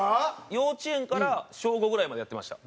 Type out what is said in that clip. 幼稚園から小５ぐらいまでやってました。